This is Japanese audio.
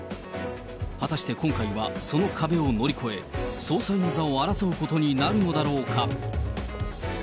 果たして今回は、その壁を乗り越え、総裁の座を争うことになるのだろうか。